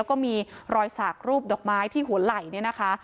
แล้วก็มีรอยสากรูปดอกไม้ที่หัวไหล่เนี่ยนะคะ